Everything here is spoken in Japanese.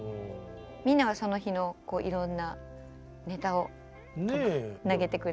みんながその日のいろんなネタを投げてくれる。